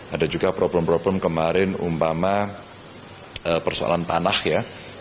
ada juga problem problem kemarin umpama persoalan tanah ya